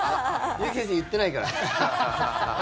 美由紀先生、言ってないから。